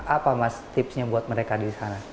apa mas tipsnya buat mereka disana